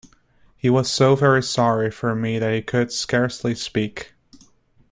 He was so very sorry for me that he could scarcely speak.